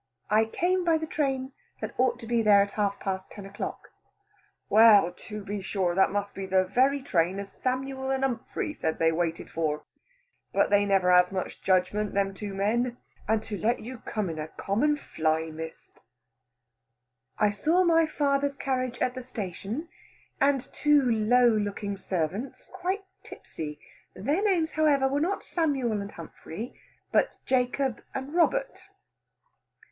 "I came by the train that ought to be there at half past ten o'clock." "Well to be sure! That must be the very train as Samuel and Humphry said they waited for; but they never has much judgment, them two men. And to let you come in a common fly, Miss!" "I saw my father's carriage at the station, and two low looking servants quite tipsy. Their names, however, were not Samuel and Humphry, but Jacob and Robert."